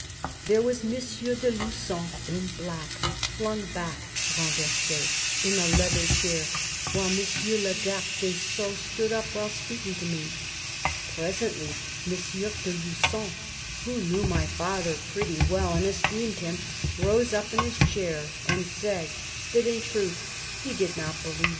" There was M. de Lugon, in black, flung back (renverse) in a leathern chair, while M. le Garde des Sceaux stood up while speaking to me. ..." Presently, " M. de Lugon, who knew my father pretty well and esteemed him, rose up in his chair and said that in truth he did not believe that M.